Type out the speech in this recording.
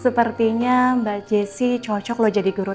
sepertinya mbak jessy cocok loh jadi guru tk